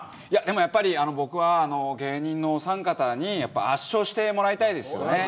やっぱり僕は芸人のお三方に圧勝してもらいたいです。